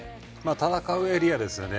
戦うエリアですよね。